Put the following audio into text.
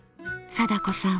貞子さん。